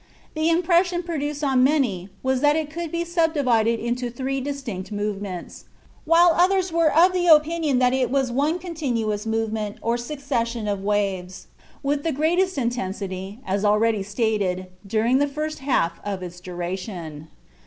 The impression produced on many was that it could be subdivided into three distinct movements, while others were of the opinion that it was one continuous movement, or succession of waves, with the greatest intensity, as already stated, during the first half of its duration."